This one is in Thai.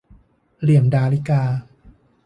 เหลี่ยมดาริกา